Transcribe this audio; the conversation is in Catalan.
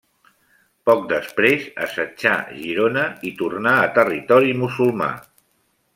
Poc després, assetjà Girona i tornà a territori musulmà.